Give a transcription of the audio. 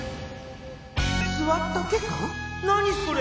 何それ？